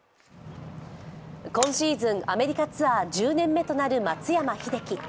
今シーズン、アメリカツアー１０年目となる松山英樹。